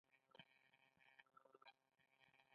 د افغانستان د اقتصادي پرمختګ لپاره پکار ده چې سړې خونې وي.